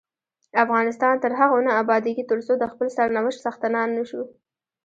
افغانستان تر هغو نه ابادیږي، ترڅو د خپل سرنوشت څښتنان نشو.